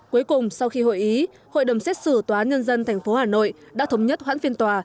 cuối cùng sau khi hội ý hội đồng xét xử tòa nhân dân thành phố hà nội đã thống nhất hoãn phiên tòa